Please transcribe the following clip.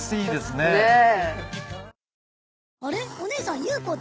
ねえ。